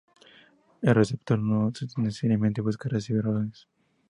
El receptor no necesariamente busca recibir ordenes.